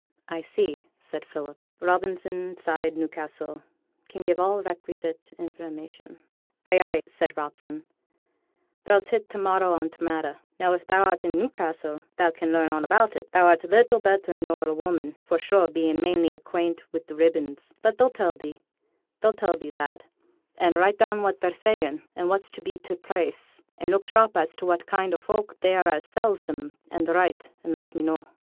'I see,' said Philip: '"Robinson, Side, Newcastle, can give all requisite information."' 'Ay, ay,' said Robson; 'thou's hit t' marrow on t' matter. Now, if thou'rt i' Newcassel, thou can learn all about it; thou'rt little better nor a woman, for sure, bein' mainly acquaint wi' ribbons, but they'll tell thee they'll tell thee, lad; and write down what they sayn, and what's to be t' price, and look sharp as to what kind o' folk they are as sells 'em, an' write and let me know.